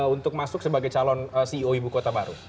untuk masuk sebagai calon ceo ibu kota baru